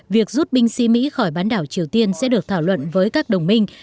việc rút binh sĩ mỹ khỏi bán đảo triều tiên sẽ được thảo luận với các đồng minh